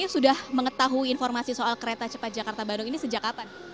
sudah mengetahui informasi soal kereta cepat jakarta bandung ini sejak kapan